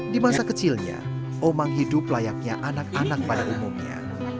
di masa kecilnya omang hidup layaknya anak anak pada umumnya